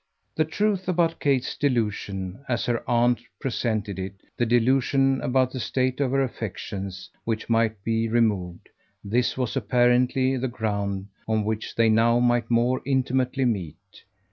The truth about Kate's delusion, as her aunt presented it, the delusion about the state of her affections, which might be removed this was apparently the ground on which they now might more intimately meet.